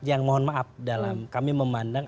yang mohon maaf dalam kami memandang